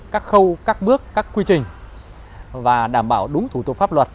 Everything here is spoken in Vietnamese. các bước các quy trình và đảm bảo đúng thủ tục pháp luật